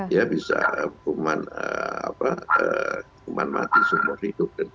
ya bisa hukuman mati seumur hidup